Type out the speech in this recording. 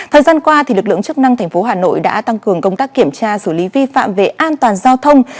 thời gian qua lực lượng chức năng tp hà nội đã tăng cường công tác kiểm tra xử lý vi phạm về an toàn giao thông